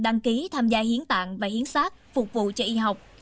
đăng ký tham gia hiến tạng và hiến sát phục vụ cho y học